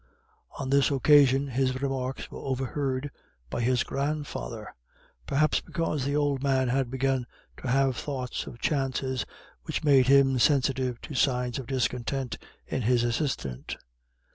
On this occasion his remarks were overheard by his grandfather, perhaps because the old man had begun to have thoughts of chances which made him sensitive to signs of discontent in his assistant.